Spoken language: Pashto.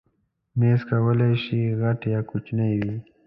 مېز کولی شي غټ یا کوچنی وي.